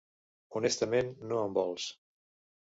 Honestament, no em vols.